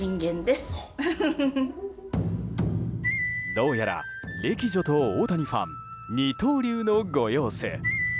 どうやら歴女と大谷ファン二刀流のご様子。